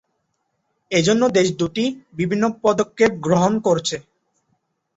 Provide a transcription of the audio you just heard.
এজন্য দেশ দু'টি বিভিন্ন পদক্ষেপ গ্রহণ করছে।